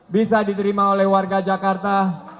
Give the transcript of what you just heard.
bisa diterima oleh warga jakarta